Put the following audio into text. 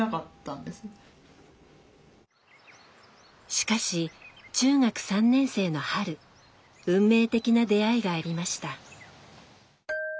しかし中学３年生の春運命的な出会いがありました。